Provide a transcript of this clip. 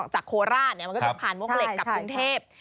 จากโคลามันก็จะผ่านโมงเหล็กกับกรุงเทพฯ